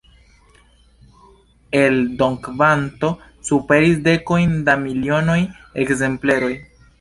Eldonkvanto superis dekojn da milionoj ekzempleroj.